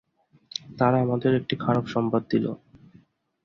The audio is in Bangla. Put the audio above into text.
তারা আমাদের একটি খারাপ সংবাদ দিলো।